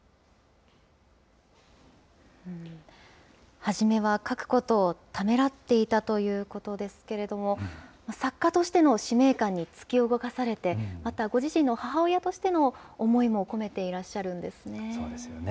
初めは書くことをためらっていたということですけれども、作家としての使命感に突き動かされて、またご自身の母親としての思いも込めていらっしゃるんですね。